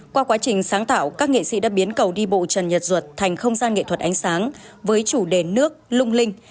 qua quá trình sáng tạo các nghệ sĩ đã biến cầu đi bộ trần nhật duật thành không gian nghệ thuật ánh sáng với chủ đề nước lung linh